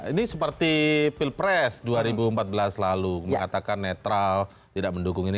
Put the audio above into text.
ini seperti pilpres dua ribu empat belas lalu mengatakan netral tidak mendukung ini